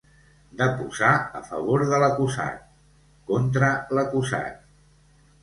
Deposar a favor de l'acusat, contra l'acusat.